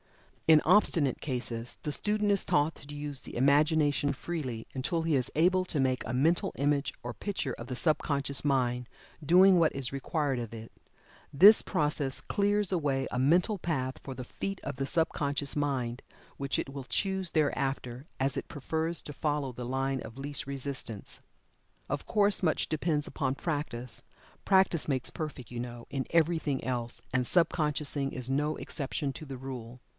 In obstinate cases, the student is taught to use the Imagination freely, until he is able to make a mental image or picture of the sub conscious mind doing what is required of it. This process clears away a mental path for the feet of the sub conscious mind, which it will choose thereafter, as it prefers to follow the line of least resistance. Of course much depends upon practice practice makes perfect, you know, in everything else, and sub consciousing is no exception to the rule.